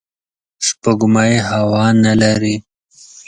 سپوږمۍ هوا نه لري